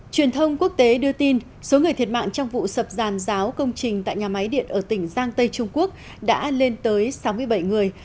truyền thông quốc tế đưa tin số người thiệt mạng trong vụ sập giàn giáo công trình tại nhà máy điện ở tỉnh giang tây trung quốc đã lên tới sáu mươi bảy người